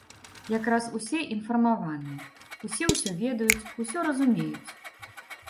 Якраз усе інфармаваныя, усе ўсё ведаюць, усё разумеюць.